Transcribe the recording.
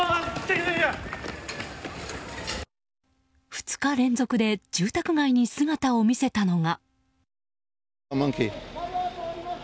２日連続で住宅街に姿を見せたのが。